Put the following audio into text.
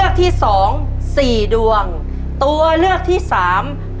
ขอบคุณค่ะ